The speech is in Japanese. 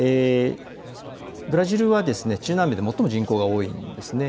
ブラジルは中南米で最も人口が多いんです。